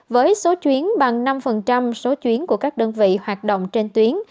với số chuyến bằng năm số chuyến của các đơn vị hoạt động trên tuyến